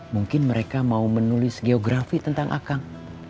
mungkin mereka mau menulis geografi tentang akang